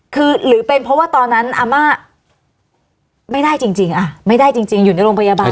คือหรือเป็นเพราะว่าตอนนั้นอาม่าไม่ได้จริงอ่ะไม่ได้จริงอยู่ในโรงพยาบาล